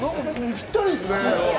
ぴったりですね。